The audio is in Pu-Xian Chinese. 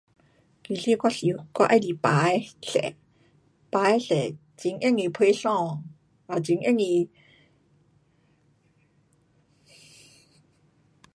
其实我喜,我喜欢白的色，白的色很容易配衣。也很容易